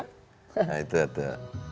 nah itu ada